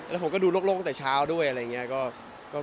แล้วผมก็ดูโลกตั้งแต่เช้าด้วยอะไรอย่างเงี้ยก็คงจะจับได้